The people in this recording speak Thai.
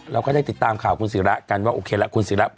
เราก็ได้ติดตามข่าวคุณสิระกันว่าคุณสิระ